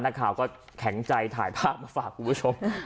นักข่าวก็แข็งใจถ่ายภาพมาฝากคุณผู้ชม